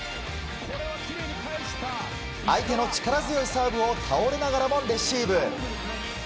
相手の力強いサーブを倒れながらもレシーブ。